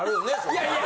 いやいや！